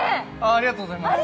ありがとうございます。